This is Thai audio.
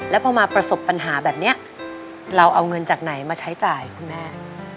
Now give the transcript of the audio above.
แล้วพอมาประสบปัญหาแบบนี้เราเอาเงินจากไหนมาใช้จ่ายคุณแม่